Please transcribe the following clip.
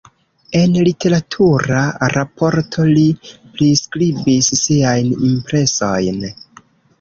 En literatura raporto li priskribis siajn impresojn.